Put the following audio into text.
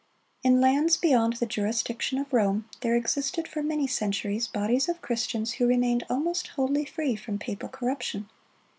In lands beyond the jurisdiction of Rome, there existed for many centuries bodies of Christians who remained almost wholly free from papal corruption.